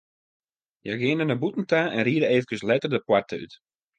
Hja geane nei bûten ta en ride eefkes letter de poarte út.